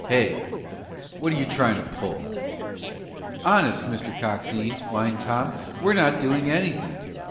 "Hey, what're you trying to pull?" "Honest, Mister Coxine," whined Tom, "we're not doing anything."